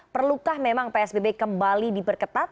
perlukah memang psbb kembali diperketat